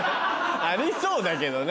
ありそうだけどね